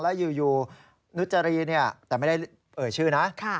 แล้วอยู่นุจรีแต่ไม่ได้เอ่ยชื่อนะ